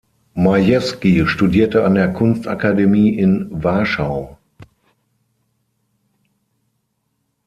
Majewski studierte an der Kunst-Akademie in Warschau.